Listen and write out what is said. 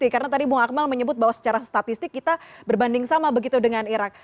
karena tadi ibu akmal menyebut bahwa secara statistik kita berbanding sama begitu dengan iraq